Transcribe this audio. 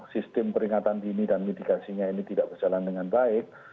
sistem peringatan dini dan mitigasinya ini tidak berjalan dengan baik